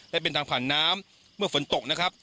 และเป็นทางผ่านน้ำเมื่อฝนตกนะครับ